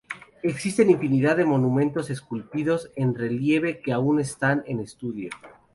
Existen infinidad de monumentos esculpidos en relieve que aún están en estudio.